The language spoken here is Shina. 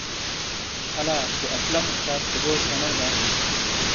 الا سو اسلم استاد سے گوش سنؤ دا؟